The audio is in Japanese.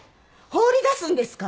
放り出すんですか？